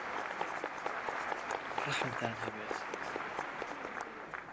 ڕەحمتان هەبێت!